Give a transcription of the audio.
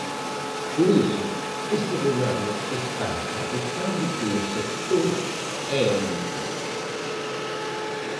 Por iso, este goberno está apostando polo sector eólico.